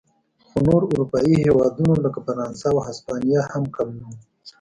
خو نور اروپايي هېوادونه لکه فرانسه او هسپانیا هم کم نه و.